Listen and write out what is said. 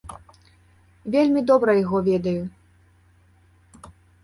Вельмі добра яго ведаю.